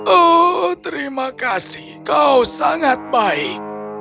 oh terima kasih kau sangat baik